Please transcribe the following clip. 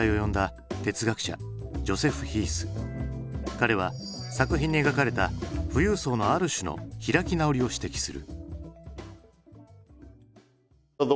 彼は作品に描かれた富裕層のある種の開き直りを指摘する。